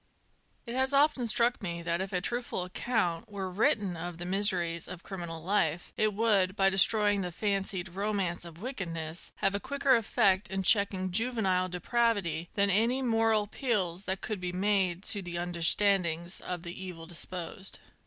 It has often struck me that if a truthful account were written of the miseries of criminal life, it would, by destroying the fancied ro mance of wickedness, have a quicker effect in checking juvenile de pravity than any moral appeals that ootid be made to the under standings of the evil disposed.